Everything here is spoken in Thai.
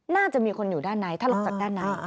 น่าจะมีคนอยู่ด้านในถ้าลงจากด้านใน